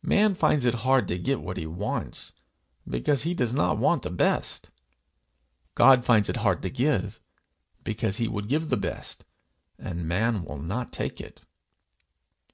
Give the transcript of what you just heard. Man finds it hard to get what he wants, because he does not want the best; God finds it hard to give, because he would give the best, and man will not take it.